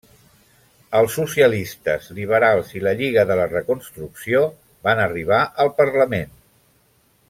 Els socialistes, liberals i la Lliga de la Reconstrucció van arribar al parlament.